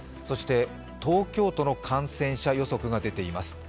そして、東京都の感染者予測が出ています。